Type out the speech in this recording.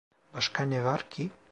Başka ne var ki?